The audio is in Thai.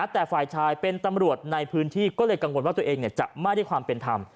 แต่ฝ่ายชายเป็นตำรวจในพื้นที่ก็เลยกังวลว่าตัวเองจะไม่ได้ความเป็นธรรม